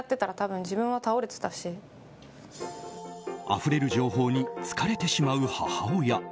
あふれる情報に疲れてしまう母親。